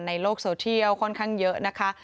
โลกโซเทียลค่อนข้างเยอะนะคะ